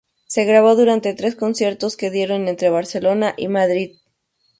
Se grabó durante tres conciertos que dieron entre Barcelona y Madrid.